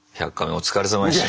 お疲れさまでした。